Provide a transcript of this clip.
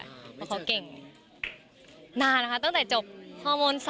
เพราะเขาเก่งนานนะคะตั้งแต่จบฮม๓